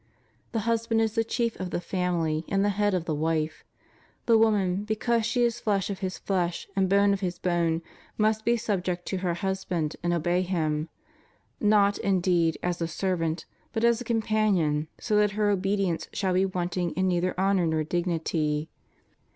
The husband is the chief of the family and the head of the wife. The woman, because she is flesh of his flesh, and bone of his bone, must be subject to her husband and obey him; not, indeed, as a servant, but as a com panion, so that her obedience shall be wanting in neither honor nor dignity.